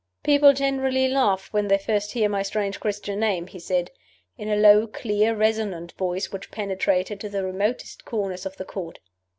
"People generally laugh when they first hear my strange Christian name," he said, in a low, clear, resonant voice which penetrated to the remotest corners of the Court.